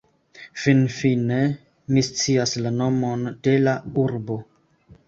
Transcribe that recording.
Finfine, mi scias la nomon de la urbo